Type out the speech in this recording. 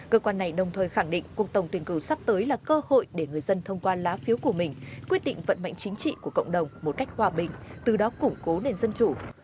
cơ quan này đồng thời khẳng định cuộc tổng tuyển cử sắp tới là cơ hội để người dân thông qua lá phiếu của mình quyết định vận mệnh chính trị của cộng đồng một cách hòa bình từ đó củng cố nền dân chủ